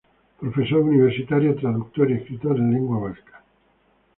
Profesor universitario, traductor y escritor en lengua vasca.